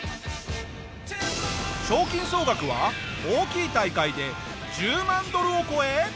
賞金総額は大きい大会で１０万ドルを超え。